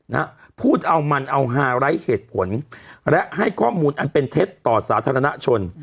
นะฮะพูดเอามันเอาฮาไร้เหตุผลและให้ข้อมูลอันเป็นเท็จต่อสาธารณชน